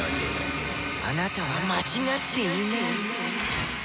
あなたは間違っていない」。